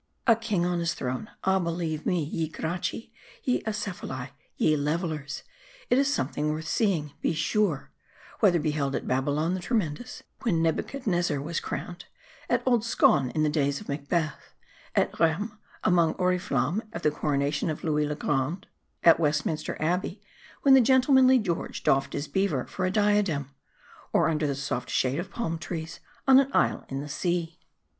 216 MARDI. A king on his throne ! Ah, believe me, ye Gracchi, ye Acephali, ye Levelers, it is something worth seeing, be sure ; whether beheld at Babylon the Tremendous, when Nebuchadnezzar was crowned ; at old Scone in the days of Macbeth ; at Rheims, among Oriflammes, at the coronation of Louis le Grand ; at Westminster Abbey, when the gen tlemanly George doffed his beaver for a diadem ; or under the soft shade of palm trees on an isle in the sea.